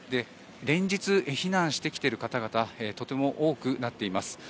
連日、避難してきている方々がとても多くなっています。